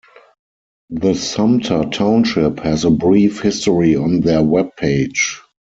The Sumpter Township has a brief history on their web page.